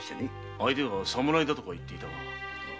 相手は侍だとか言っていたが。